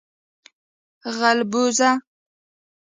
🐜 غلبوزه